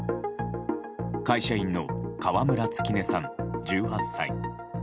会社員の川村月音さん、１８歳。